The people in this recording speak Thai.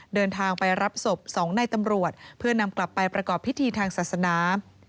เดินทางไปรับศพ๒ในตำรวจเพื่อนำกลับไปประกอบพิธีทางศาสนา